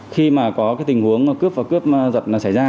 khi mà có tình huống cướp và cướp dật xảy ra